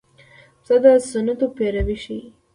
پسه د سنتو پیروي ښيي.